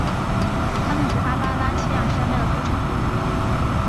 它们是阿巴拉契亚山脉的组成部分。